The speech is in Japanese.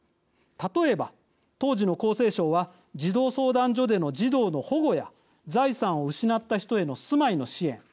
例えば、当時の厚生省は児童相談所での児童の保護や財産を失った人への住まいの支援。